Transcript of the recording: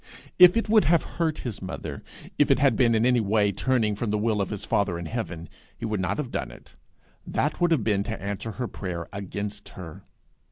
If it would have hurt his mother, if it had been in any way turning from the will of his Father in heaven, he would not have done it: that would have been to answer her prayer against her.